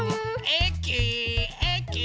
えきえき。